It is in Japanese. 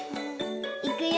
いくよ。